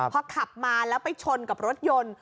พอขับมาแล้วไปชนกับรถยนต์